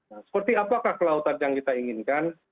nah seperti apakah kelautan yang kita inginkan